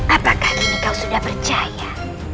apakah kini kau sudah percaya